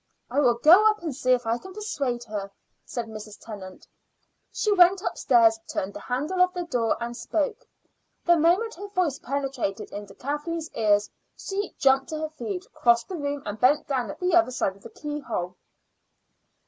"I will go up and see if I can persuade her," said Mrs. Tennant. She went upstairs, turned the handle of the door, and spoke. The moment her voice penetrated to Kathleen's ears, she jumped to her feet, crossed the room, and bent down at the other side of the keyhole.